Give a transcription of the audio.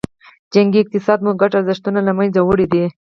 جنګي اقتصاد مو ګډ ارزښتونه له منځه وړي دي.